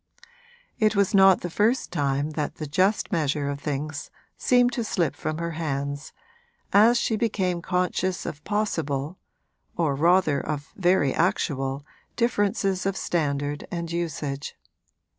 It was not the first time that the just measure of things seemed to slip from her hands as she became conscious of possible, or rather of very actual, differences of standard and usage.